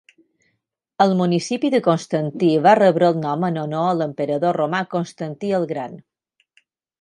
El municipi de Constantí va rebre el nom en honor a l'emperador romà Constantí el Gran.